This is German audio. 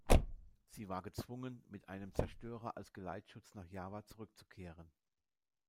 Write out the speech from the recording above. Sie war gezwungen, mit einem Zerstörer als Geleitschutz nach Java zurückzukehren.